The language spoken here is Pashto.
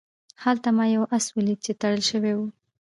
هلته ما یو آس ولید چې تړل شوی و.